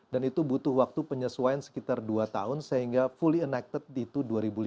dan itu butuh waktu penyesuaian sekitar dua tahun sehingga fully enacted itu dua ribu lima belas